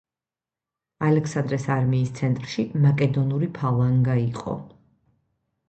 ალექსანდრეს არმიის ცენტრში მაკედონური ფალანგა იყო.